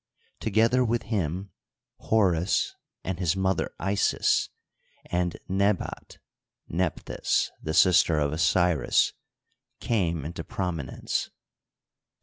Together with him, Horus, and his mother Isis, and Nebhat (Neph thys), the sister of Osiris, came into prominence.